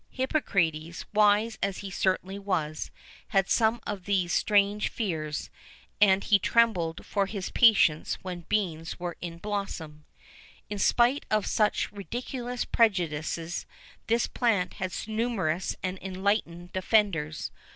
Hippocrates, wise as he certainly was, had some of these strange fears, and he trembled for his patients when beans were in blossom.[VIII 6] In spite of such ridiculous prejudices, this plant had numerous and enlightened defenders.